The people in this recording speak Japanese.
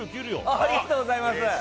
ありがとうございます！